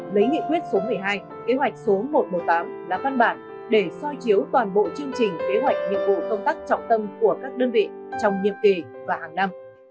lấy nghị quyết số một mươi hai kế hoạch số một trăm một mươi tám đã phát bản để soi chiếu toàn bộ chương trình kế hoạch nhiệm vụ công tác trọng tâm của các đơn vị trong nhiệm kỳ và hàng năm